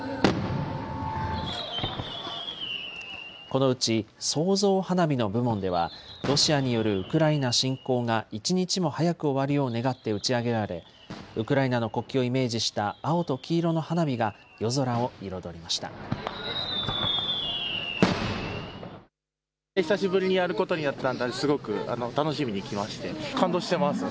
このうち創造花火の部門では、ロシアによるウクライナ侵攻が一日も早く終わるよう願って打ち上げられ、ウクライナの国旗をイメージした青と黄色の花火が夜空を彩りました。